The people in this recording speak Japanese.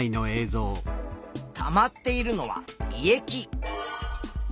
たまっているのは胃液。